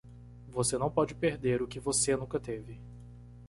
Você não pode perder o que você nunca teve.